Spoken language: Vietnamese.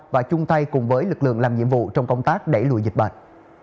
và chung tay cùng với lực lượng làm nhiệm vụ trong công tác đẩy lùi dịch bệnh